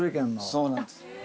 そうなんです。